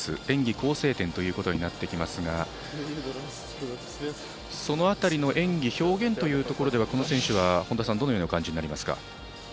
演技構成点になってきますがその辺りの演技表現というところではこの選手は、どのようにお感じになりますか？